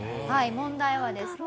問題はですね